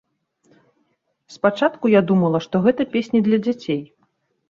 Спачатку я думала, што гэта песні для дзяцей.